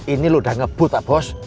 ini lu udah ngebut pak bos